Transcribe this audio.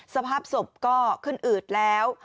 สภาพศพก็ขึ้นอืดแล้ว